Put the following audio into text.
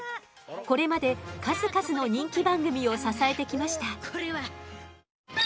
これまで数々の人気番組を支えてきました。